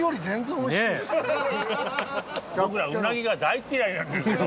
僕らうなぎが大嫌いなんです。